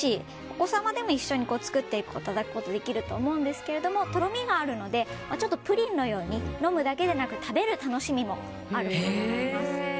お子様でも一緒に作っていただくことができると思うんですが、とろみがあるのでちょっとプリンのように飲むだけでなく食べる楽しみもあるものになります。